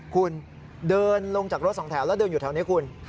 คุณเดินลงจากรถสองแถวแล้วเดินอยู่แถวนี้คุณ